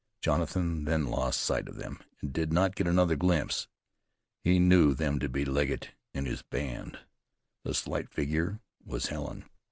Jonathan then lost sight of them, and did not get another glimpse. He knew them to be Legget and his band. The slight figure was Helen.